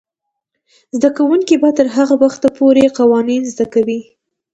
زده کوونکې به تر هغه وخته پورې قوانین زده کوي.